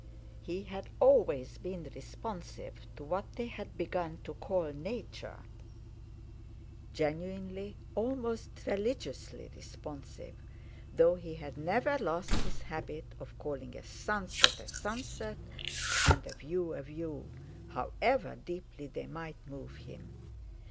He had always been responsive to what they had begun to call "Nature," genuinely, almost religiously responsive, though he had never lost his habit of calling a sunset a sunset and a view a view, however deeply they might move him.